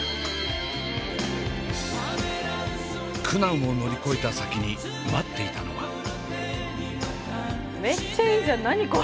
苦難を乗り越えた先に待っていたのは。